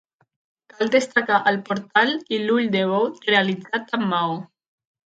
Cal destacar el portal i l'ull de bou realitzat amb maó.